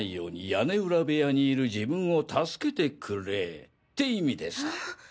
屋根裏部屋にいる自分を助けてくれ」って意味でさァ。